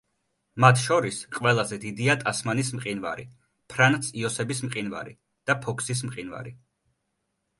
მათ შორის ყველაზე დიდია ტასმანის მყინვარი, ფრანც-იოსების მყინვარი და ფოქსის მყინვარი.